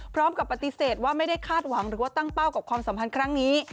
พร้อมกับปฏิเสธว่าไม่ได้คาดหวังหรือว่าตั้งเป้ากับความสัมพันธ์ครั้งนี้